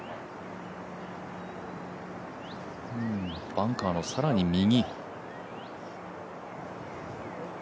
バンカーの更に右。